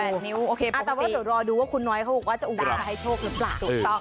แต่ว่าเดี๋ยวรอดูว่าคุณน้อยเขาบอกว่าจะอุโมงจะให้โชคหรือเปล่า